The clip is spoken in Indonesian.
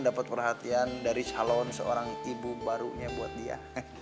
dapat perhatian dari calon seorang ibu barunya buat dia